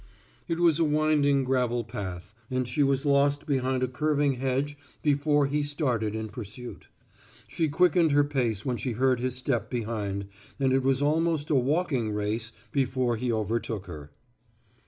It was a winding gravel path and she was lost behind a curving hedge before he started in pursuit. She quickened her pace when she heard his step behind and it was almost a walking race before he overtook her.